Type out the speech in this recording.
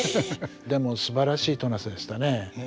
でもすばらしい戸無瀬でしたね。